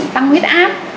tăng huyết áp